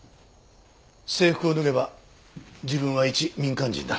制服を脱げば自分は一民間人だ。